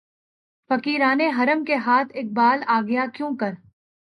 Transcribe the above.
فقیران حرم کے ہاتھ اقبالؔ آ گیا کیونکر